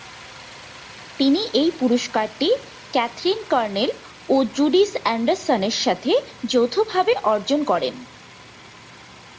তিনি এই পুরস্কারটি ক্যাথরিন কর্নেল ও জুডিথ অ্যান্ডারসনের সাথে যৌথভাবে অর্জন করেন।